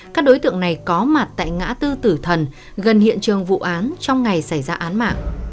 các đối tượng này có mặt tại ngã tư tử thần gần hiện trường vụ án trong ngày xảy ra án mạng